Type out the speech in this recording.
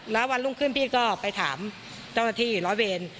แล้ววันรุ่งขึ้นพี่ก็ไปถามเจ้าหน้าที่ร้อยเวร